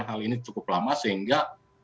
hal ini cukup lama sehingga